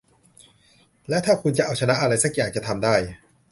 และถ้าคุณจะเอาชนะอะไรสักอย่างจะทำได้